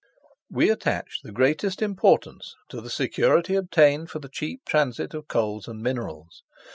We attach the greatest importance to the security obtained for the cheap transit of coals and minerals.